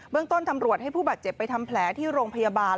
เรื่องต้นตำรวจให้ผู้บาดเจ็บไปทำแผลที่โรงพยาบาล